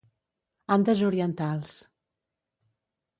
Andes orientals.